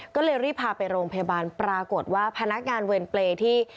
ก็เลยรีบพาไปโรงพยาบาลปรากฏว่าพนักงานเวรเปรย์ที่